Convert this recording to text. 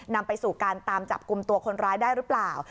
นำไปสู่การตามจับกลุ่มตัวคนร้ายได้หรือเปล่า